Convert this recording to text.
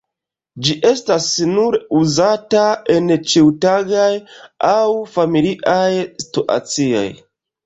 Ĝi estas nur uzata en ĉiutagaj aŭ familiaj situacioj.